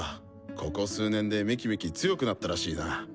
ここ数年でめきめき強くなったらしいな。